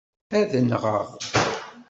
Ad aḍneɣ.